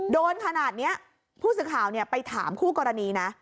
โดนขนาดนี้ผู้สื่อข่าวไปถามคู่กรณีนะ